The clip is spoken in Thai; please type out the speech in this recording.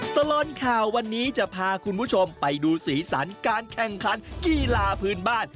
ตลอดข่าววันนี้จะพาคุณผู้ชมไปดูสีสันการแข่งขันกีฬาพื้นบ้าน